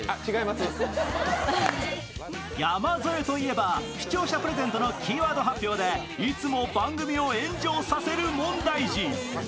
山添といえば視聴者プレゼントのキーワードでいつも番組を炎上させる問題児。